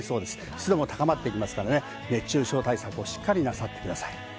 湿度も高まってきますからね、熱中症対策をしっかりなさってください。